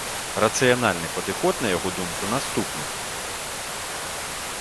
Рацыянальны падыход, на яго думку, наступны.